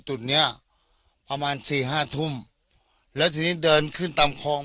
จุดเนี้ยประมาณสี่ห้าทุ่มแล้วทีนี้เดินขึ้นตามคลอง